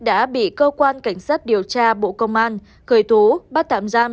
đã bị cơ quan cảnh sát điều tra bộ công an cười thú bắt tạm giam